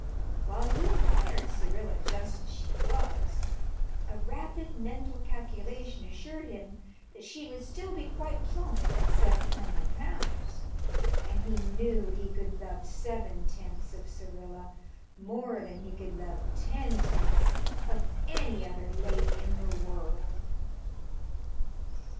While he admired Syrilla just as she was, a rapid mental calculation assured him that she would still be quite plump at seven hundred pounds and he knew he could love seven tenths of Syrilla more than he could love ten tenths of any other lady in the world.